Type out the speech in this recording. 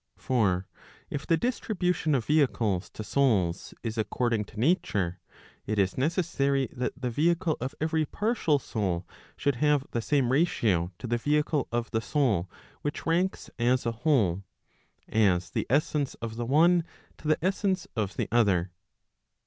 For if the distribution of vehicles to souls is according to nature, it is necessary that the vehicle of every partial soul should have the same ratio to the vehicle of the soul which ranks as a whole, as the essence of the one to the essence of the other.